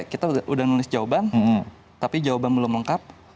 kita sudah nulis jawaban tapi jawaban belum lengkap